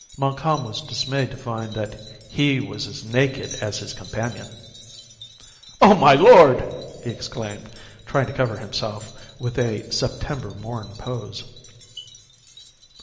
Montcalm was dismayed to find that he was as naked as his companion! "Oh, my Lord!" he exclaimed, trying to cover himself with a September Morn pose.